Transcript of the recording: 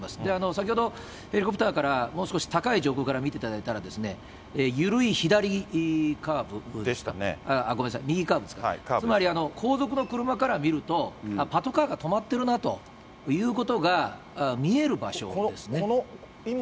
先ほど、ヘリコプターからもう少し高い上空から見ていただいたら、緩い左カーブですかね、ごめんなさい、右カーブですか、つまり、後続の車から見ると、パトカーが止まってるなということが見える場所ですね。